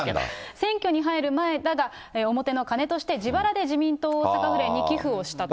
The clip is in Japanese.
選挙に入る前だが、表の金として自腹で自民党大阪府連に寄付をしたと。